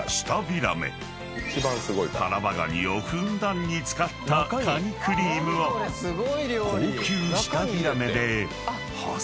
［タラバガニをふんだんに使ったカニクリームを高級］